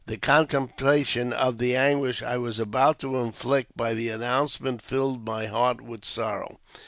The contemplation of the anguish I was about to inflict by the announcement filled my heart with sorrow.